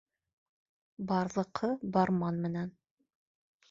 Барҙыҡы барман менән